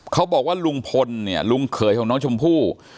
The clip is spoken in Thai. เขาบอกว่าลุงพลเนี่ยลุงเขยของน้องชมพู่